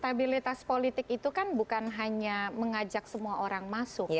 stabilitas politik itu kan bukan hanya mengajak semua orang masuk